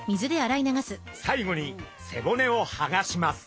最後に背骨をはがします。